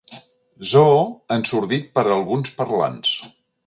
Zoo ensordit per alguns parlants.